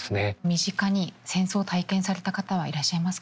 身近に戦争を体験された方はいらっしゃいますか？